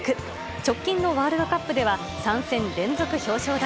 直近のワールドカップでは、３戦連続表彰台。